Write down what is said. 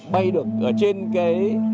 bay được ở trên cái